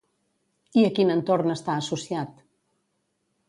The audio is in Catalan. I a quin entorn està associat?